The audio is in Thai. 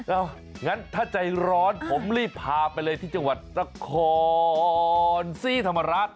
งั้นถ้าใจร้อนผมรีบพาไปเลยที่จังหวัดนครสีธรรมรัฐ